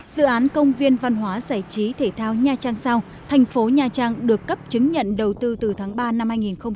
dự án công viên văn hóa giải trí thể thao nha trang sao thành phố nha trang được cấp chứng nhận đầu tư từ tháng ba năm hai nghìn một mươi bảy